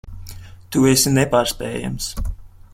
Tu esi nepārspējams.